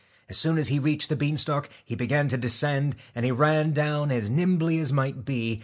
As soon as he reached the bean 12 stalk he began to descend, and he ran down as TACK nimbly as might be.